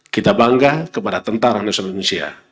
kita bangga kepada tentara nasional indonesia